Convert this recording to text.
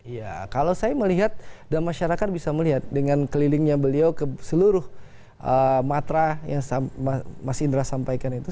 iya kalau saya melihat dan masyarakat bisa melihat dengan kelilingnya beliau ke seluruh matra yang mas indra sampaikan itu